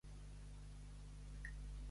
Fer el cirialot.